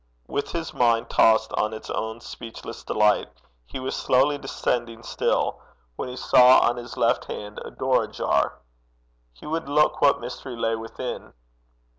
With his mind tossed on its own speechless delight, he was slowly descending still, when he saw on his left hand a door ajar. He would look what mystery lay within.